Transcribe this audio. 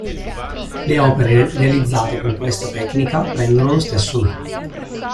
Le opere realizzate con questa tecnica prendono lo stesso nome.